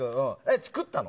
作ったの？